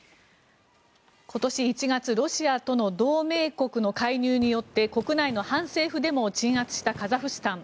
今年１月、ロシアとの同盟国の介入によって国内の反政府デモを鎮圧したカザフスタン。